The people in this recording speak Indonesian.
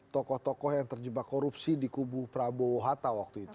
tokoh tokoh yang terjebak korupsi di kubu prabowo hatta waktu itu